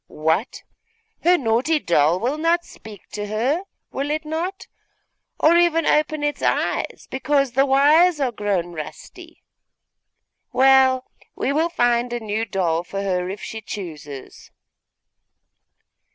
What! her naughty doll will not speak to her, will it not? or even open its eyes, because the wires are grown rusty? Well, we will find a new doll for her, if she chooses.